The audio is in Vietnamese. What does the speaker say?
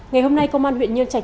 ngày hôm nay công an huyện nhân trạch